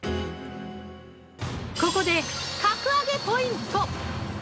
ここで、格上げポイント。